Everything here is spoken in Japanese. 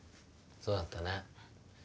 そうだったね。